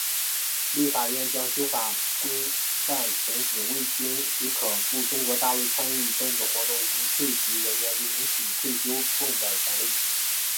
立法院将修法规范停止未经许可赴中国大陆参与政治活动之退职人员领取退休俸的权利。